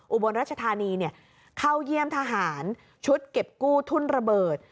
อุบลรัชธานีเข้าเยี่ยมทหารชุดเก็บกู้ทุ่นระเบิด